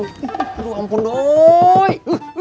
aduh ampun doi